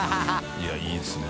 いやいいですね。